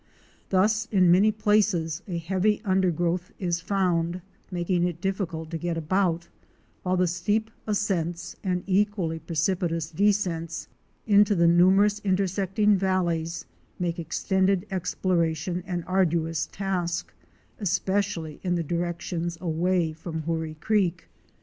Thus in many places a heavy undergrowth is found, making it difficult to get about, while the steep ascents and equally precipitous descents into the numerous inter secting valleys make extended exploration an arduous task, especially in the directions away from Hoorie Creek.